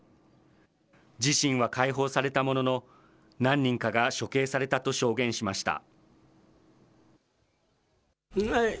自身は解放されたものの、何人かが処刑されたと証言しました。